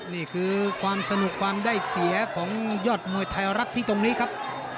นี่คือความสนุกความได้เสียของยอดมวยไทยรัฐที่ตรงนี้ครับ